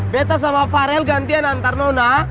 beta sama farel gantian antar nona